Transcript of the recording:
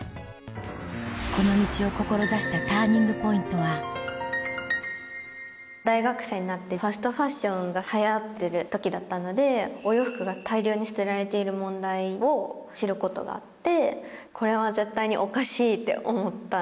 この道を志したＴＵＲＮＩＮＧＰＯＩＮＴは大学生になってファストファッションが流行ってる時だったのでお洋服が大量に捨てられている問題を知ることがあってこれは絶対におかしいって思った。